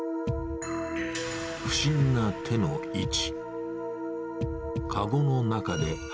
不審な手の位置。